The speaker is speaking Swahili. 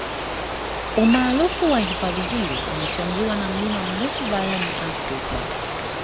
umaarufu wa hifadhi hiyo umechangiwa na mlima mrefu barani afrika